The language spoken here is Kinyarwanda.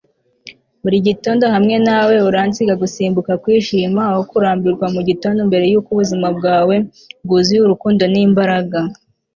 buri gitondo hamwe nawe uransiga gusimbuka kwishima aho kurambirwa mugitondo mbere yuko ubuzima bwawe bwuzuye urukundo n'imbaraga